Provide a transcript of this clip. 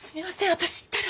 私ったら！